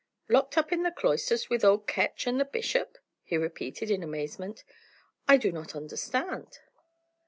"Locked up in the cloisters with old Ketch and the bishop!" he repeated, in amazement. "I do not understand."